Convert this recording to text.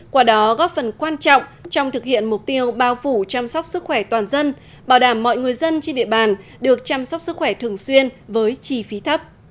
qua đó góp phần quan trọng trong thực hiện mục tiêu bao phủ chăm sóc sức khỏe toàn dân bảo đảm mọi người dân trên địa bàn được chăm sóc sức khỏe thường xuyên với chi phí thấp